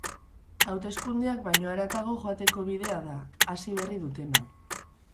Hauteskundeak baino haratago joateko bidea da, hasi berri dutena.